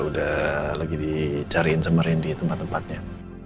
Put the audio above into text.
udah lagi dicariin sama randy tempat tempatnya